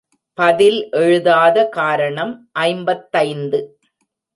பதில் எழுதாத காரணம் ஐம்பத்தைந்து.